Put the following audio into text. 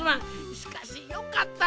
しかしよかった。